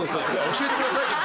教えてくださいよ。